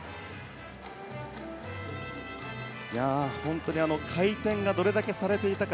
本当に回転がどれだけされていたか